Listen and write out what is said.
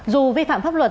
dù vi phạm pháp luật